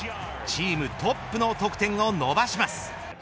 チームトップの得点を伸ばします。